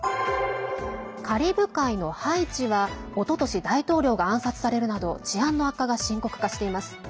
カリブ海のハイチはおととし大統領が暗殺されるなど治安の悪化が深刻化しています。